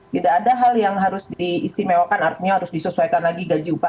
tidak ada hal yang harus diistimewakan artinya harus disesuaikan lagi gaji upah